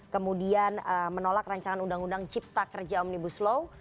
kemudian menolak rancangan undang undang cipta kerja omnibus law